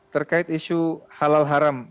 terkait isu halal haram